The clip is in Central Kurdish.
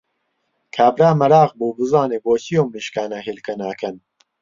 کابرا مەراق بوو بزانێ بۆچی ئەو مریشکانە هێلکە ناکەن!